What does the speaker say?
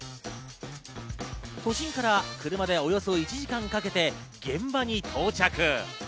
都心から車でおよそ１時間かけて現場に到着。